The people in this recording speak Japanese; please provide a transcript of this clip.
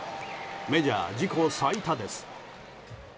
メジャー自己最多です。